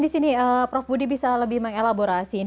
di sini prof budi bisa lebih mengelaborasi